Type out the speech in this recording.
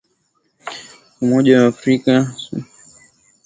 Umoja wa Afrika imesimamisha Uanachama wa Sudan tangu mkuu wa jeshi kuongoza